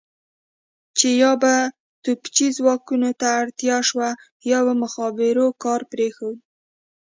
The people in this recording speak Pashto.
چې یا به توپچي ځواکونو ته اړتیا شوه یا به مخابرو کار پرېښود.